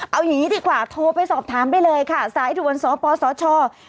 เอาอย่างนี้ดีกว่าโทรไปสอบถามได้เลยค่ะสายด่วนสปสช